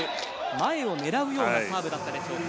前を狙うようなサーブだったでしょうか。